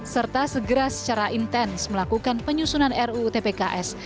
serta segera secara intens melakukan penyusunan ruu tpks